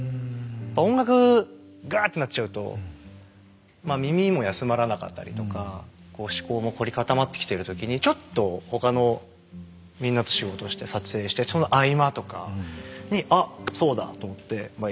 音楽ガーッてなっちゃうとまあ耳も休まらなかったりとかこう思考も凝り固まってきてる時にちょっと他のみんなと仕事をして撮影してその合間とかに「あっそうだ」と思ってまあ